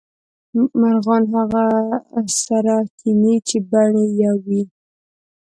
مرغان هغه سره کینې چې بڼې یو وې